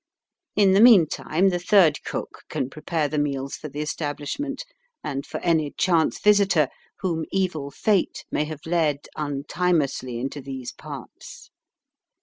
In the meantime the third cook can prepare the meals for the establishment and for any chance visitor whom evil fate may have led untimeously into these parts.